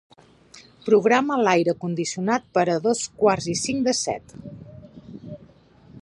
Programa l'aire condicionat per a dos quarts i cinc de set.